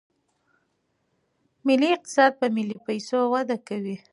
ملي اقتصاد په ملي پیسو وده کوي.